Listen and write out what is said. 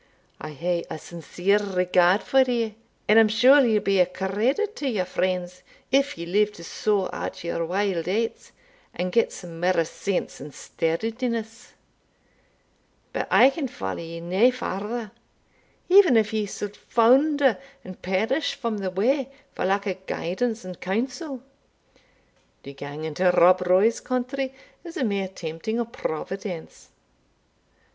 I hae a sincere regard for ye, and I'm sure ye'll be a credit to your friends if ye live to saw out your wild aits, and get some mair sense and steadiness But I can follow ye nae farther, even if ye suld founder and perish from the way for lack of guidance and counsel. To gang into Rob Roy's country is a mere tempting o' Providence."